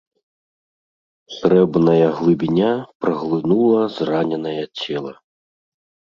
Срэбная глыбіня праглынула зраненае цела.